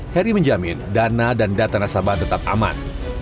heri menjamin dana dan data nasabah tetap aman